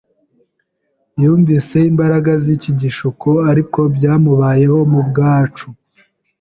Yumvise imbaraga z’iki gishuko; ariko byamubayeho ku bwacu,